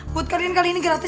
buat kalian kali ini gratis